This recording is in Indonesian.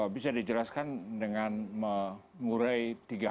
bisa dijelaskan dengan mengurai